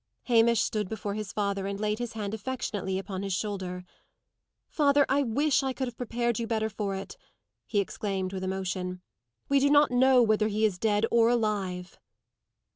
Hamish stood before his father and laid his hand affectionately upon his shoulder. "Father, I wish I could have prepared you better for it!" he exclaimed, with emotion. "We do not know whether he is dead or alive."